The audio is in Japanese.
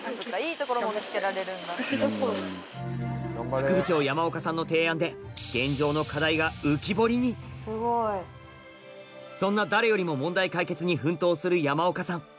副部長山岡さんの提案で現状のそんな誰よりも問題解決に奮闘する山岡さん